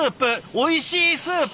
おいしいスープ！